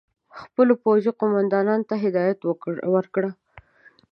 خپلو پوځي قوماندانانو ته هدایت ورکړ.